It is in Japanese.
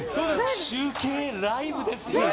中継、ライブです。